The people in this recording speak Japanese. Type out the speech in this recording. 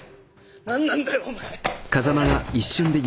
何なんだよお前。